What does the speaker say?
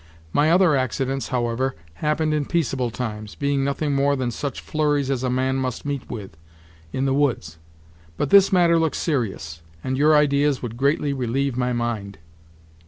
My other accidents, however, happened in peaceable times, being nothing more than such flurries as a man must meet with, in the woods; but this matter looks serious, and your ideas would greatly relieve my mind."